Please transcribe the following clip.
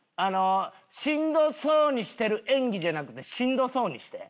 しんどそうにしてる演技じゃなくてしんどそうにして。